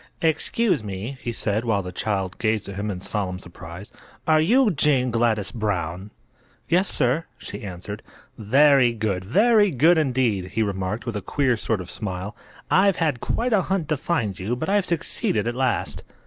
"Excuse me," he said, while the child gazed at him in solemn surprise. "Are you Jane Gladys Brown?" "Yes, sir," she answered. "Very good; very good, indeed!" he remarked, with a queer sort of smile. "I've had quite a hunt to find you, but I've succeeded at last."